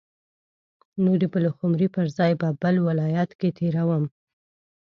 نو د پلخمري پر ځای به بل ولایت کې تیروم.